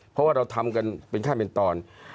เพราะว่าเราทำกันเป็นขั้นเป็นตอน